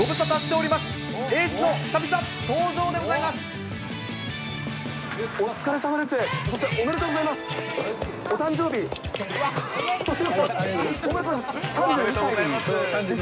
お疲れさまです。